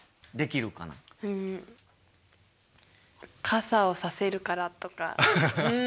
「傘をさせるから」